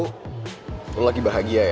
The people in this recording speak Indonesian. kamu sedang bahagia ya